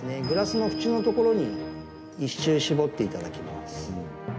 グラスの縁のところに１周しぼっていただきます。